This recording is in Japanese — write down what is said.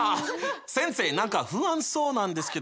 先生何か不安そうなんですけど。